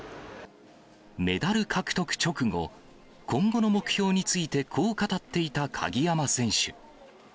メダル獲得直後、今後の目標について、こう語っていた鍵山選手。